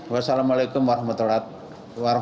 wassalamu'alaikum warahmatullahi wabarakatuh